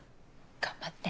頑張って。